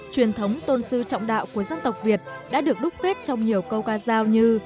truyền thống tôn sư trọng đạo của dân tộc việt đã được đúc kết trong nhiều câu ca giao như